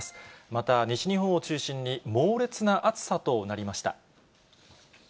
また、西日本を中心に猛烈な暑さとなりました。